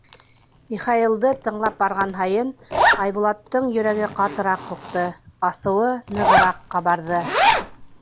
Михаилды тыңлап барған һайын, Айбулаттың йөрәге ҡатыраҡ һуҡты, асыуы нығыраҡ ҡабарҙы.